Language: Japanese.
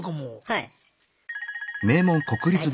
はい。